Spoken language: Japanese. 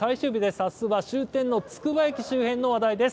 あすは終点のつくば駅周辺の話題です。